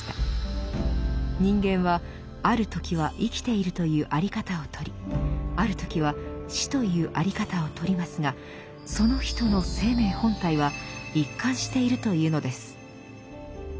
人間はある時は生きているというあり方をとりある時は死というあり方をとりますがその人の「生命本体」は一貫しているというのです。